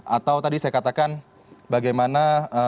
atau tadi saya katakan bagaimana